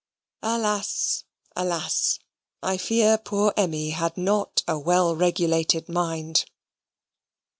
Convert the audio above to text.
Alas, alas! I fear poor Emmy had not a well regulated mind.